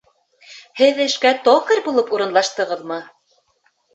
Һеҙ эшкә токарь булып урынлаштығыҙмы?